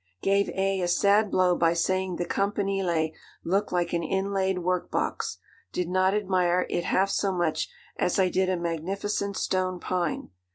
'Gave A. a sad blow by saying the Campanile looked like an inlaid work box. Did not admire it half so much as I did a magnificent stone pine.